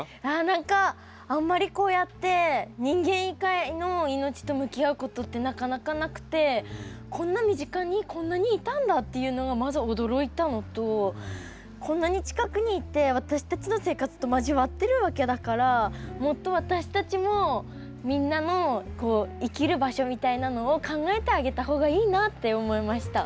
何かあんまりこうやって人間以外の命と向き合うことってなかなかなくてこんな身近にこんなにいたんだっていうのがまず驚いたのとこんなに近くにいて私たちの生活と交わってるわけだからもっと私たちもみんなの生きる場所みたいなのを考えてあげた方がいいなって思いました。